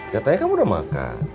katanya kamu udah makan